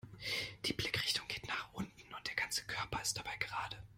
Die Blickrichtung geht nach unten und der ganze Körper ist dabei gerade.